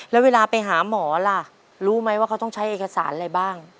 แล้วเวลาไปหาหมอล่ะรู้ไหมว่าเขาต้องใช้เอกสารอะไรบ้าง